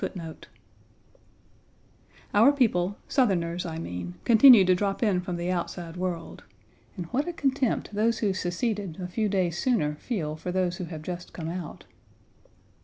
Three hundred of the enemy killed, they say. Our people, Southerners, I mean, continue to drop in from the outside world. And what a contempt those who seceded a few days sooner feel for those who have just come out!